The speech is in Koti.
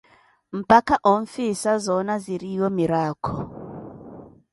Mpakha onfhiisa zona ziriiwo miraakho.